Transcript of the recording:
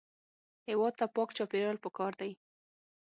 هېواد ته پاک چاپېریال پکار دی